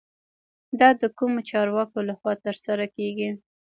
دا د کومو چارواکو له خوا ترسره کیږي؟